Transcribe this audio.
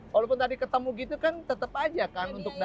walaupun tadi ketemu gitu kan tetap aja kan